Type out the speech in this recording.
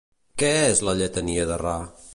Què és la lletania de Ra?